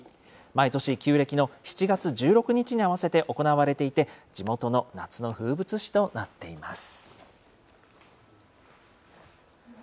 毎年、旧暦の７月１６日に合わせて行われていて、地元の夏の風物詩となっています。